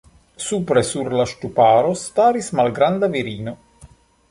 Supre sur la ŝtuparo staris malgranda virino.